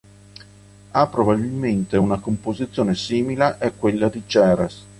Ha probabilmente una composizione simile a quella di Ceres.